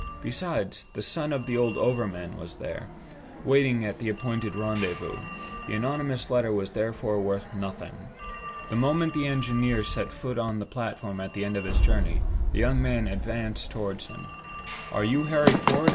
Besides, the son of the old overman was there, waiting at the appointed rendezvous. The anonymous letter was therefore worth nothing. The moment the engineer set foot on the platform at the end of his journey, the young man advanced towards him. "Are you Harry Ford?"